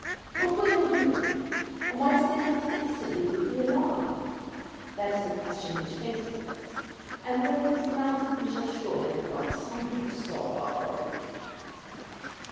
What were they doing, and why did they not instantly give the alarm? That is the question which faces us, and when it has been answered we shall surely have gone some way to solve our problem."